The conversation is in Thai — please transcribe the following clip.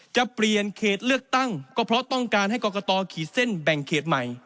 จะเปลี่ยนเขตเลือกตั้งก็เพราะต้องการให้กรกตขีดเส้นแบ่งเขตใหม่